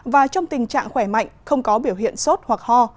và trong tình trạng khỏe mạnh không có biểu hiện sốt hoặc ho